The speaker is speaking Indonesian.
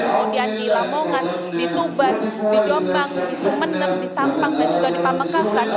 kemudian di lamongan di tuban di jombang di sumeneb di sampang dan juga di pamekasan